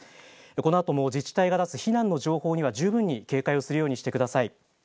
このあとも自治体が出す避難の情報には十分に警戒をするようにしてください。